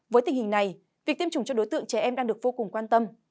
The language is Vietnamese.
với tình hình này việc tiêm chủng cho đối tượng trẻ em đang được vô cùng quan tâm